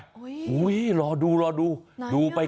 หูยโหวรอดูดูไหนอ่ะ